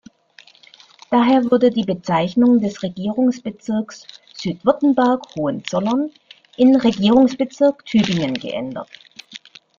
Daher wurde die Bezeichnung des Regierungsbezirks Südwürttemberg-Hohenzollern in Regierungsbezirk Tübingen geändert.